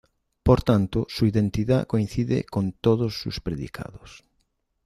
Por tanto su identidad coincide con todos sus predicados.